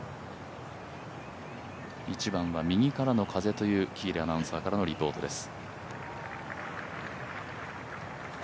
１番は右からの風という喜入アナウンサーからのリポートです。